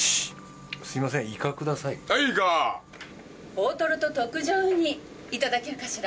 大トロと特上ウニいただけるかしら。